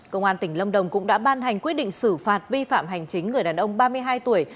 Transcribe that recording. công an tỉnh lâm đồng cũng đã ban hành quyết định xử phạt vi phạm hành chính người đàn ông ba mươi hai tuổi